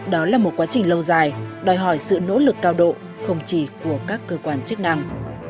đó là một quá trình lâu dài đòi hỏi sự nỗ lực cao độ không chỉ của các cơ quan chức năng